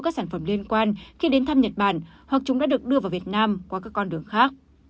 các sản phẩm liên quan khi đến thăm nhật bản hoặc chúng đã được đưa vào việt nam qua các con đường khác